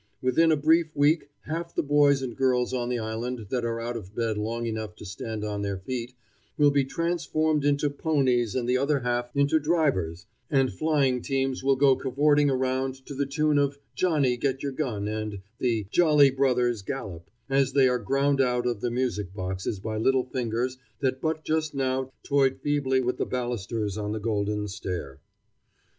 Within a brief week half the boys and girls on the island that are out of bed long enough to stand on their feet will be transformed into ponies and the other half into drivers, and flying teams will go cavorting around to the tune of "Johnny, Get your Gun," and the "Jolly Brothers Gallop," as they are ground out of the music boxes by little fingers that but just now toyed feebly with the balusters on the golden stair.